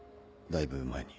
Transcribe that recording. だいぶ前に。